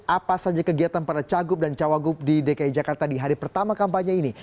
apa saja kegiatan para cagup dan cawagup di dki jakarta di hari pertama kampanye ini